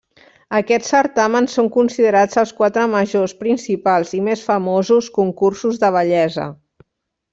Aquests certàmens són considerats els quatre majors, principals i més famosos concursos de bellesa.